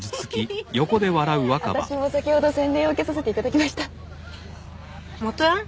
ひっ私も先ほど洗礼を受けさせていただきました元ヤン？